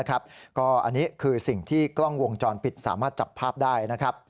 อันนี้คือสิ่งที่กล้องวงจรปิดสามารถจับภาพได้นะครับ